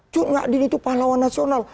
cut nyak din itu pahlawan nasional